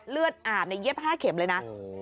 เลือดอาบเย็บ๕เข็มเลยนะ